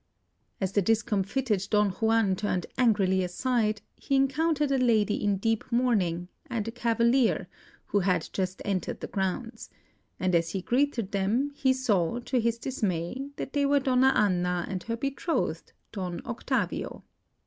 As the discomfited Don Juan turned angrily aside, he encountered a lady in deep mourning and a cavalier, who had just entered the grounds; and as he greeted them, he saw, to his dismay, that they were Donna Anna and her betrothed, Don Octavio.